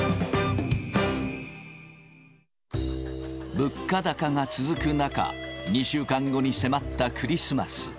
物価高が続く中、２週間後に迫ったクリスマス。